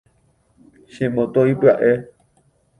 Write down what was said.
Che moto ipya’e.